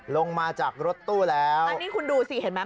ลงมาจากรถตู้แล้วอันนี้คุณดูสิเห็นไหม